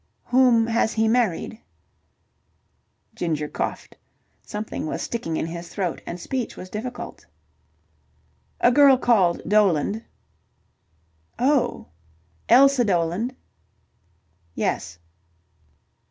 "Whom has he married?" Ginger coughed. Something was sticking in his throat, and speech was difficult. "A girl called Doland." "Oh, Elsa Doland?" "Yes."